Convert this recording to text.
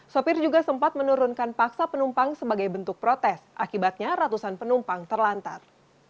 sopir juga sempat menurunkan paksa penumpang sebagai bentuk protes akibatnya ratusan penumpang terlantar